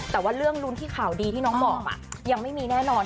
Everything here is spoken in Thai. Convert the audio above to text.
แต่ว่าเรื่องรุ้นที่ข่าวดีที่น้องบอกยังไม่มีแน่นอน